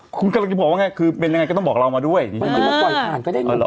คุณกรรมกิจบอกว่าไงคือเป็นยังไงก็ต้องบอกเรามาด้วย